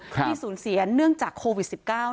ที่สูญเสียเนื่องจากโควิด๑๙